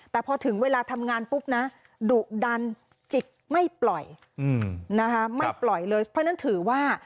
แต่พอถึงเวลาทำงานปุ๊บนะดุดันจิตไม่ปล่อยนะคะไม่ปล่อยเลยเพราะฉะนั้นถือว่า